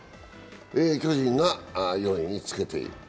巨人が４位につけています。